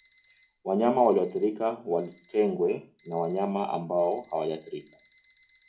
Wanyama walioathirika watengwe na wanyama ambao hawajaathirika